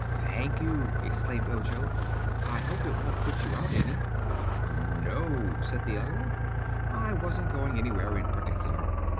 "Thank you," exclaimed Ojo. "I hope it won't put you out any." "No," said the other, "I wasn't going anywhere in particular.